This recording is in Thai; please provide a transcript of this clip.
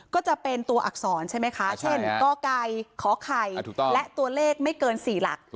ก็จะเป็นตัวอักษรใช่ไหมคะเช่นกไก่ขอไข่และตัวเลขไม่เกิน๔หลัก